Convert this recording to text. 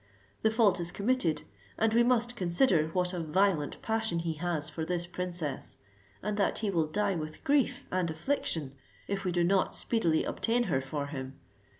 The fault is committed, and we must consider what a violent passion he has for this princess, and that he will die with grief and affliction, if we do not speedily obtain her for him.